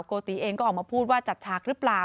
โกติเองก็ออกมาพูดว่าจัดฉากหรือเปล่า